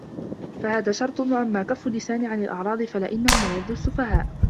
فَهَذَا شَرْطٌ وَأَمَّا كَفُّ اللِّسَانِ عَنْ الْأَعْرَاضِ فَلِأَنَّهُ مَلَاذُ السُّفَهَاءِ